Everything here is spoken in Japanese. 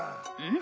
ん？